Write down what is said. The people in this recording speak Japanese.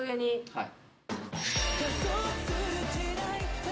はい。